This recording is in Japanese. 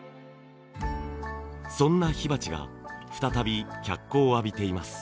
そんな火鉢が再び脚光を浴びています。